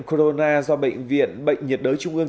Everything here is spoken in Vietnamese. corona do bệnh viện bệnh nhiệt đới trung ương